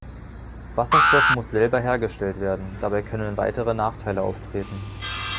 Wasserstoff muss selber hergestellt werden, dabei können weitere Nachteile auftreten.